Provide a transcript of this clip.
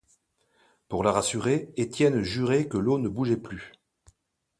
Pour la rassurer, Étienne jurait que l'eau ne bougeait plus.